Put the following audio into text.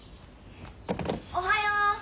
おはよう！